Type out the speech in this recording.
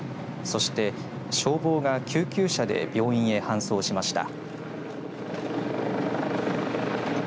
そして消防が救急車で病院へ搬送しました。